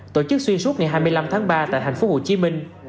tổ chức xuyên suốt ngày hai mươi năm tháng ba tại thành phố hồ chí minh